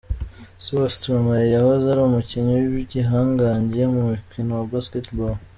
Se wa Stromae yahoze ari umukinnyi w'igihangange mu mukino wa Basketball.